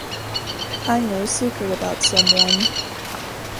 I know a secret about someone.